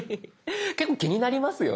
結構気になりますよね。